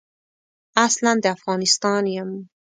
اصلاً د افغانستان یم.